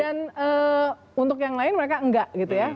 dan untuk yang lain mereka enggak gitu ya